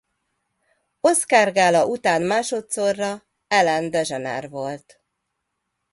Oscar-gála után másodszorra Ellen DeGeneres volt.